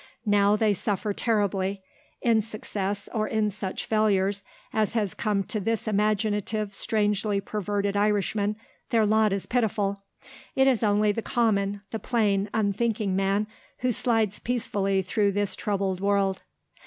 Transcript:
Now they suffer terribly. In success or in such failures as has come to this imaginative, strangely perverted Irishman their lot is pitiful. It is only the common, the plain, unthinking man who slides peacefully through this troubled world."